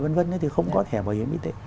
vân vân thì không có thẻ bảo hiểm y tế